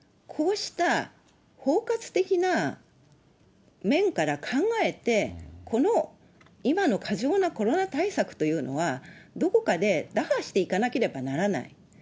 こうした包括的な面から考えて、この今の過剰なコロナ対策というのは、どこかで打破していかなければならない。